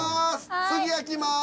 次開きます。